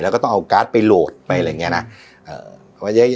แล้วก็ต้องเอาการ์ดไปโหลดไปอะไรอย่างนี้นะ